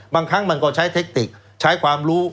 บางครั้งมันก็ใช้เทคติกใช้ความรู้